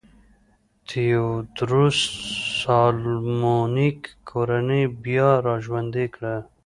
تیوودروس سالومونیک کورنۍ بیا را ژوندی کړه.